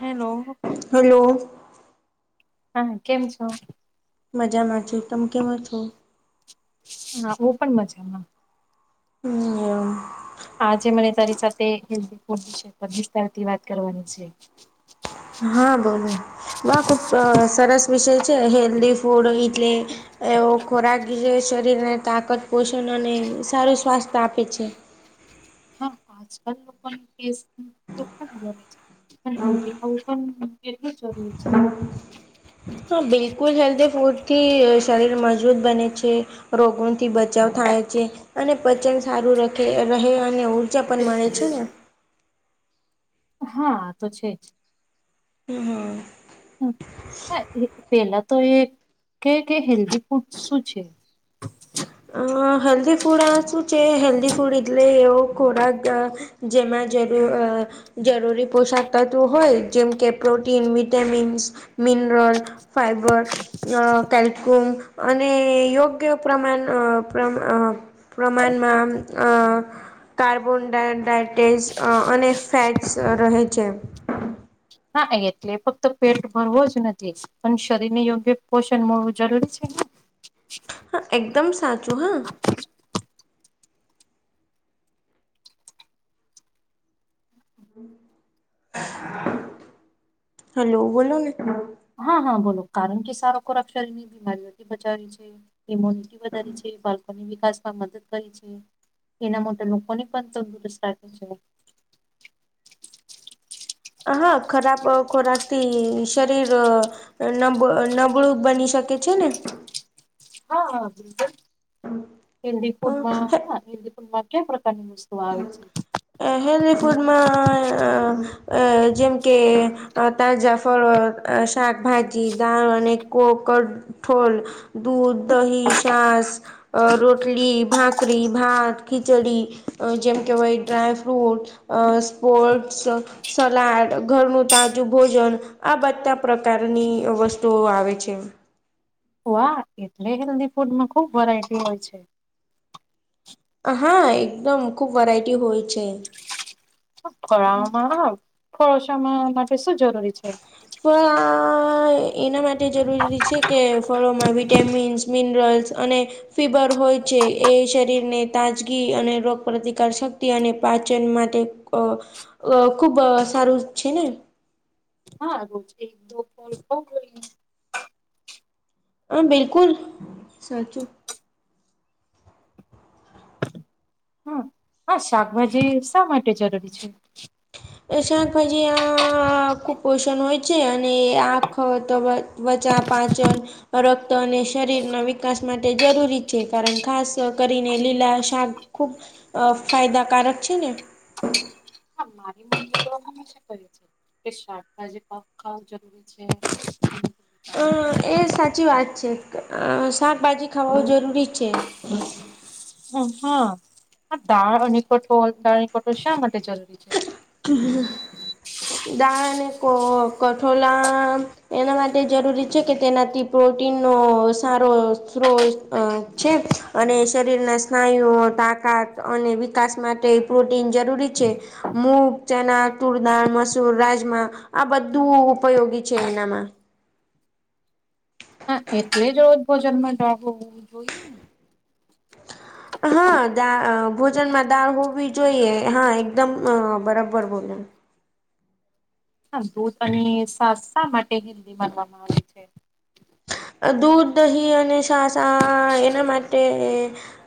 Hello hello હા કેમ છો મજામાં છું તમે કેમ છો હા હું પણ મજામાં એવમ આજે મને તારી સાથે હેલ્ધી ફૂડ વિશે વિસ્તાર થી વાત કરવાની છે હા બોલો ખુબ સરસ વિષય છે હેલ્ધ ફૂડ એટલે એવો ખોરાક જે શરીરને તાકત પોષણ અને સારું સ્વાસ્થ્ય આપે છે હા આજકાલ લોકોની કેસ તો ખમ ગમે છે હમ દેખાવું પણ એટલો જરૂરી છે હા બિલકુલ હેલ્ધી ફૂડથી શરીર મજબૂત બને છે રોગોથી બચાવ થાય છે અને પચન સારું રહે અને બીજા પણ માણે છે ને હા આ તો છે જ હમ હા હ હા પેલા તો એ કે કે હેલ્ધી ફૂડ શું છે અ હેલ્ધી ફૂડ આ શું છે હેલ્ધી ફૂડ એટલે એવો ખોરાક જેમાં જરૂર અ જરૂરી પોષક તત્વો હોય જેમ કે protein vitamins mineral fibre calcium અને યોગ્ય પ્રમાણ પ્રમા પ્રમાણમાં કાર્બોન અને ફેટ્સ રહે છે ના એટલે ફક્ત પેટ ભરવો જ નથી અને શરીર ને યોગ્ય પોષણ મળવું જરૂરી છે હા એકદમ સાચું હા હેલો બોલોલો ને હા હા બોલો કારણ કે સારો ખોરાક શરીરની બીમારીઓથી બચાવી છે મોનટી વધ છે બાકોની વિકાસમાં મદદ કરી છે એના માટે કોની પણ તંદુરસ્ રાખી છ હ હા ખરાબ ખોરાક શરીર નબ નબળું બની શકે છે ને હા હા બિલકુલ હેલ્ ફૂડમાં હા હેલ્ ફૂડમાં ક પ્રકારની વસ્તુ આવે છે હેલ્ધ ફૂડમાં જેમ કે તાજા ફળ અ શાકભાજી, દાળ અને કોકડ ઠોલ, દૂધ, દહી, શાસ અ રોટલી, ભાકરી, ભાત, ખીચડી જેમ કેહેવાય ડ્રાય ફ્રૂટ સ્પોટ્સ સલાડ ઘરનું તાજું ભોજન આ બધા પ્રકારની વસ્તુઓ આવે છે વાહ એટલે હેલ્ધી ફૂડમાં ખુબ વેરાયટી હોય છે હા એકદમ ખુબ વરાયટી હોય છે ફળામાં ફળોશ માટે શું જરૂરી છે ફળ એના માટે જરૂરી છે, કે ફળોમાં વી ટેમિન્સ, મિનરલ્સ અને ફીબર હોય છે, એ શરીરને તાજગી અને રોગ પ્રતિકાર શક્તિ અને પાચન માટે અ અ ખુબ સારું છે, ને હા રોજ એક [inaudible] હા બિલકુલ સાચું હા હા શાકભાજી શા માટે જરૂરી છે? એ શાકભાજી આ કુપોષણ હોય છે, અને આખ તો બ વચા પાાચન રક્ત અને શરીરનો વિકાસ માટે જરૂરી છે, કારણ ખાસ કરીને લીલા શા ખુબ અ ફાયદાકારક છે, ને હા મારી મમમી તો હંમેશા કરે છે. કે શાકભાજી [unintelligible] જરૂરી છે. અ એ સાચી વાત છે, અ શાકભાજી ખાવા જરૂરી છે. હા દાળ અને કઠોળ દાળ અને કઠોળ શા માટે જરૂરી છે? દાળ અને કો કઠોલા એના માટે જરૂરી છે, કે તેનાથી પ્રોટીનનો સારો સ્ત્રો અ છે. અને શરીરના સ્નાયુઓ, તાકાત અને વિકાસ માટે પ્રોટીન જરૂરી છે. મું. ચના, તુળદાળ, મસૂર, રાજમા આ બધું ઉપયોગી છે, એનામાં હા એટલે જ રોજ ભોજન માં જવુ જોઈએને હા દા અ ભોજનમાં દાળ હોવી જોઈએ હા એકદમ અ બરાબર ભોજન હા દૂધ અને સા શા માટે હિલદી માનવામાં આવે છે. દૂધ, દહી અને છાસા એના માટે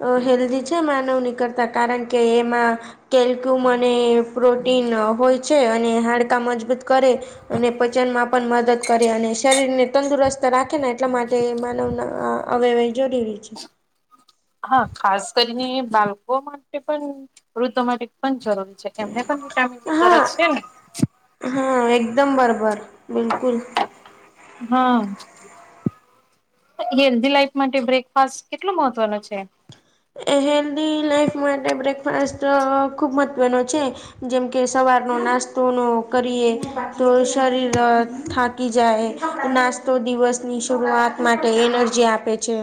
અ હેલ્ધી છે, માનવની કરતા કારણ કે એમાં કેલ્ક્યુમ અને પ્રોટીન હોય છે, અને હાડકા મજબૂત કરે અને પચનમાં પણ મદદ કરે અને શરીર ને તંદુરસ્ત રાખે ને એટલા માટે માનવના અવેવે જોડીવી છે. હા ખાસ કરીને બાલકો માટે પન વૃદ્ધો માટે પન જરૂરી છે, એમને પણ વિટામીનની હા ગરજ છે, ને હા એકદમ બરાબર બિલકુલ હા. હેલ્ધી લાઈફ માટે બ્રેકફાસ્ટ કેટલો મહત્વનો છે. એ હેલ્ધી લાાઈફ માટે બ્રેકફાસ્ટ ખૂબ મહત્ત્વનો છે. જેમ કે સવારનો નાસ્તો નો કરીએ તો શરીર થા કી જાય નાસ્તો દિવસની શરૂઆત માટે એનર્જી આપે છે.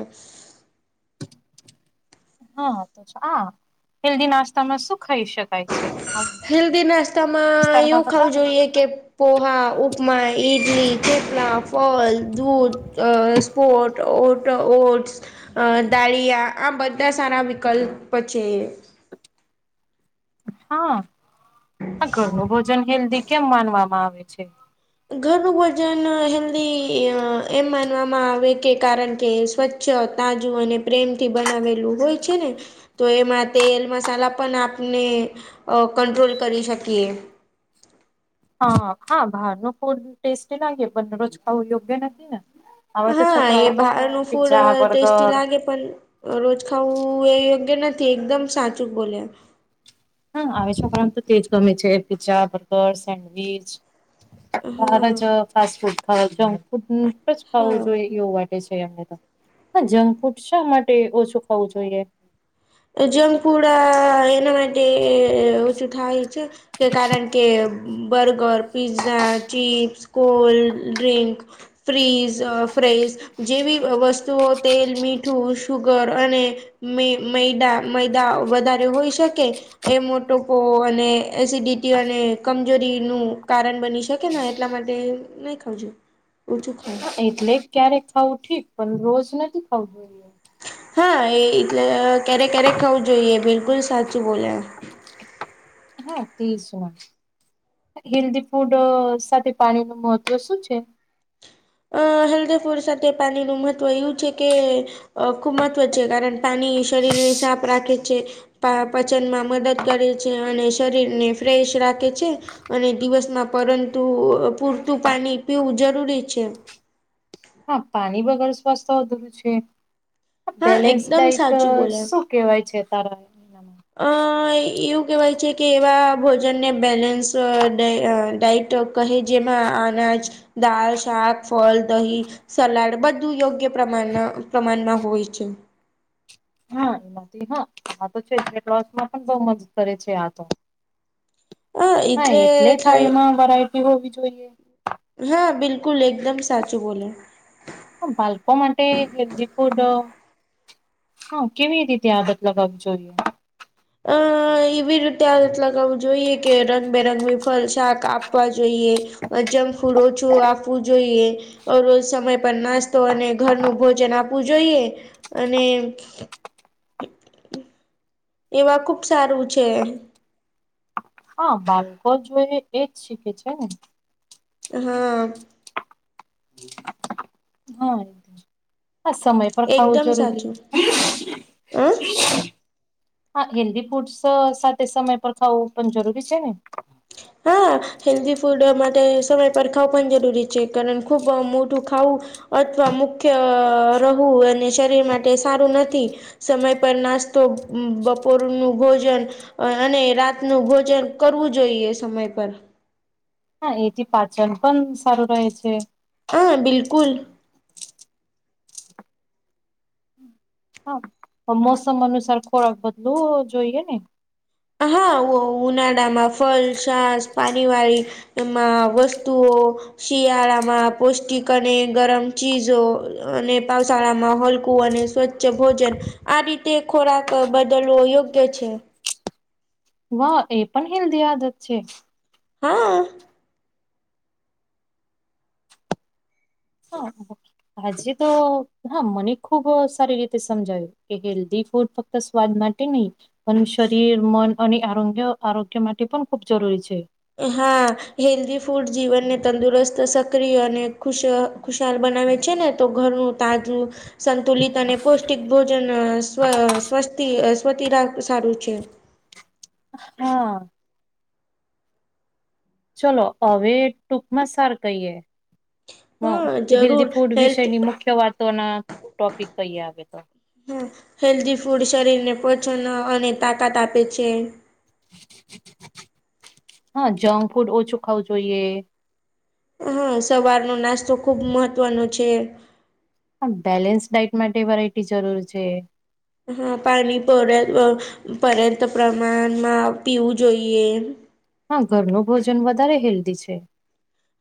હા આ હેલ્ધી નાસ્તામાં શું ખાઈ શકાય છે? આમ હેલ્દી નાસ્તામાં વિસ્તારમાં એવું ખાવું બતાવે છે જોઈએ કે પોહા, ઉપમા, ડલી, ખેપલા, ફલ, દૂધ અ પોટ ઓટ ઓટ્સ અ દાળીયા આ બધા સારા વિકલ્પ છે. હા ઘરનું ભોજન હેલ્ધી કેમ માનવામાં આવે છે? ઘરનું વજન હેલ્ધી એમ માનવામાં આવે કે કારણ કે સ્વચ્છ તાજું અને પ્રેમ થી બનાવેલું હોય છે ને તો એમાં તેલ મસાલા પણ આપને કંટ્રોલ કરી શકીએ. હા હા બારનુ ફૂડ ટેસ્ટી લાગે દરોજ ખાવું યોગ્ય નથી ને હવે તો હા એ છોકરાઓ તો પીઝા બર્ગર પન રોજ ખાવું એ યોગ્ય નથી એકદમ સાચું બોલે હા આવે છોકરામાં તો તેજ ગમે છે, પી્ઝા, બર્ગર, સેન્ડવીચ બાર હા જ ફાસ્ટ ફૂડ ખાવુ, જંક ફૂડ [unintelligible] જ ખાવું હા જોઈએ, એવું હોય. જંક ફૂડ શા માટે ઓછું ખું જોઈએ? જંક ફૂડ એના માટે ઓછું થાય છે. કે કારણ કે burger pizza chips cold drink fries fries જેવી વસ્તુઓ તેલ મીઠું સુુગર અને મેૈદા મૈદા વધારે હોઈ શકે. એ મોટો પોવો અને એસિડિટી અને કમજોરી નું કારણ બની શકે. એટલા માટે નહી ખાવજ ઓછું ખાવ એટલે ક્યારેક ખાવું ઠીક પણ રોજ નથી ખાવું જોઈએ. હા એટલે ક્યારેક ક્યારેક ખાવું જોઈએ બિલકુલ સાચું બોલ્યા. હા ત્રીસ જ. હેલ્ધી ફૂડ સાથે પાણી નું મહત્વ શું છે? અ હેલ્ધ ફૂડ સાથે પાણીનું મહત્વ એવું છે કે અ ખૂબ મહત્વ છે કારણ પાણી શરીરને સાફ રાખે છે. પા પચનમાં મદદ કરે છે અને શરીરને ફ્રેશ રાખે છે. અને દિવસમાં પરંતુ પૂરતું પાણી પીવું જરૂરી છે. હા પાણી બગર રું છે હા બેલેન્સ એકદમ ડઇટ સાચું બોલ્યા. શું કેવાય છે તારા એનામાં? અ એવું કહેવાય છે કે એવા ભોજનને બેલેન્સ ડ ડઇટ કહે જેમાં અનાજ દાળ શાક ફળ દહી સલાડ બધું યોગ્ય પ્રમાણ પ્રમાણમાં હોય છે. હા એમાંથી હા આ તો છેસમાં પણ બહ મજ કરે છે આ તો. હા એટલે થાયમાં વેરાયટી હોવી જોઈએ. હા બિલકુલ એકદમ સાચું બોલ્યા. ભલ્પ માટે માટે હેલ્દી ફૂડ હા કેવી રીતે આગત લગાવવી જોઈએ? હ એવી રીતે આ રતલાગાવું જોઈએ કે રંગબેરંગી ફલ શાક આપવા જોઈએ. જંક ફૂડ ઓછું આપવું જોઈએ. રોજ સમય પર નાસ્તો અને ઘરનું ભોજન આપવું જોઈએ અને એવા ખુબ સારું છે. હા બાળકો જોઈ એજ શીખે છે ને. હા હા આ સમય પર ખાવું એકદમ જરૂરી. સાચું હ [inaudible] હા હેલ્થી ફૂડસ સાથે સમય પર ખાવું પણ જરૂરી છે ને. [inaudible] હેલ્થી ફૂડ માટે સમય પર ખાવ પણ જરૂરી છે. કારણ ખુબ મોટું ખાવું અથવા મુખ્ય રહું અને શરીર માટે સારું નથી. સમય પર નાસ્તો બપોરનું ભોજન અને રાતનું ભોજન કરવું જોઈએ સમય પર. હા એથી પાચન પણ સારું રહે છે. હા બિલકુલ. હા મોસમ અનુસાર ખોરાક બદલું જોઈએ ને. હા ઓ ઉનાળામાં ફલ છાસ પાણીવાળી એમાં વસ્તુઓ શિયાળામાં પૌષ્ટિક અને ગરમ ચીજો અને પાાવશાળામાં [unintelligible] હલકું અને સ્વચ્છ ભોજન આ રીતે ખોરાક બદલવો યોગ્ય છે. વાહ એ પણ હેલ્થી આદત છે. હા! હા હ આજે તો હા મને ખુબ સારી રીતે સમજાવ્યું કે હેલ્થી ફૂડ તો સ્વાદ માટે નહીં અને શરીર મન અને આરોગ્ય આરોગ્ય માટે પણ ખૂબ જરૂરી છે. હા હેલ્ધી ફૂડ જીવનને તંદુરસ્ત સક્રિય અને ખુશ ખુશાલ બનાવે છે ને તો ઘરનું તાજું સંતુલિત અને પૌષ્ટિક ભોજન સ્વ સ્વસ્ સ્વતી રા સારું છે. હા ચલો હવે ટૂંકમાં સાર કહીએ. હ હા હેલ્થી જરૂર ફૂડ હેલ્થ વિશેની મુખ્ય વાતો ના ટોપિક કહી આવે તો હ હેલ્થી ફૂડ શરીરને પોષણ અને તાકાત આપે છે. હા જંક ફૂડ ઓછું ખાવું જોઈએ. હા સવારનો નાસ્તો ખૂબ મહત્વનો છે. હ બેલેન્સ ડાઇટ માટે વેરાયટી જરૂર છે. હા પાણી પણ પર્યંત પ્રમાણમાં પીવું જોઈએ. હા ઘરનું ભોજન વધારે હેલ્ધી છે.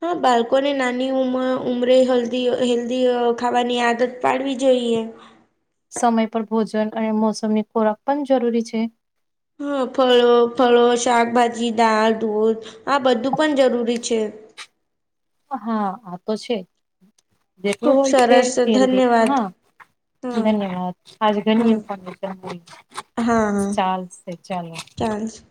હા બાળકોને નાની ઉમ ઉમરે હેલ્ હેલ્ધી ખાવાની આદત પાડવી જોઈએ સમય પર ભોજન અને મોસમની ખોરાક પણ જરૂરી છે. હા ફળો ફળો શાકભાજી દાળ દૂધ આ બધું પણ જરૂરી છે. હા આ તો છે જેટલું ખુબ હોય છે સરસ હ ધન્યવાદ હા હા ધન્યવાદ આજ ઘણી હા ફ [unintelligible] ચાલશે ચાલો! ચાન્સ